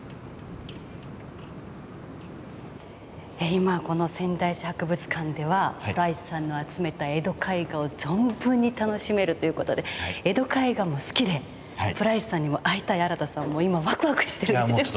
今この仙台市博物館ではプライスさんの集めた江戸絵画を存分に楽しめるという事で江戸絵画も好きでプライスさんにも会いたい新さんも今ワクワクしてるでしょう。